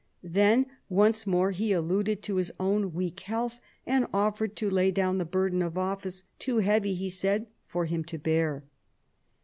Then once more he alluded to his own weak health, and offered to lay down the burden of office, too heavy, he said, for him to bear.